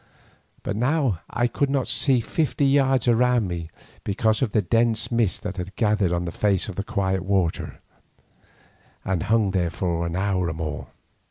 But now I could not see fifty yards around me, because of a dense mist that gathered on the face of the quiet water, and hung there for an hour or more.